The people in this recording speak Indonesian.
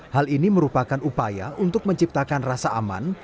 hal ini merupakan upaya untuk menciptakan rasa aman